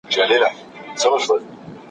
ښوونکی پرون شاګرد وستایه.